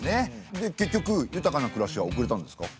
で結局豊かな暮らしは送れたんですか？